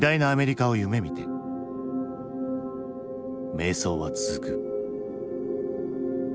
迷走は続く。